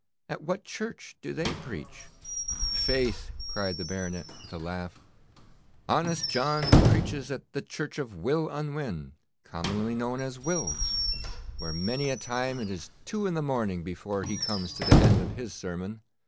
'At what church do they preach?' 'Faith!' cried the baronet, with a laugh, 'honest John preaches at the church of Will Unwin, commonly known as Will's, where many a time it is two in the morning before he comes to the end of his sermon.